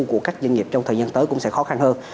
của các doanh nghiệp trong thời gian tới cũng sẽ khó khăn hơn